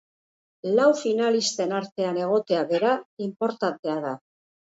Lau finalisten artean egotea bera inportantea da.